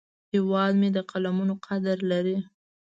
هیواد مې د قلمونو قدر لري